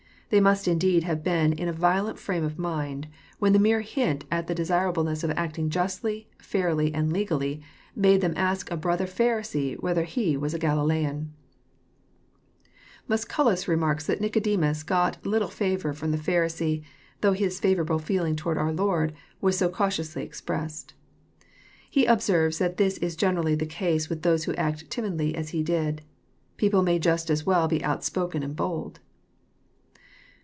They must indeed have been in a violent f^ame of mind, when the mere hint at the desirableness of acting justly, fairly, and legally, made them ask a brother Pharisee whether he was a Galilean 1 Muscnlus remarks that Nicodemus got little favour A*om the Pharisees, though his favourable feeling towards our Lord was so cautiously expressed. He observes that this is generally the case with those who act timidly as he did. People may just as well be outspoken and bold.